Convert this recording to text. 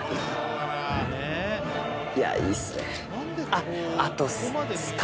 いや、いいですね。